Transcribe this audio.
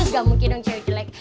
gak mungkin dong cewek cewek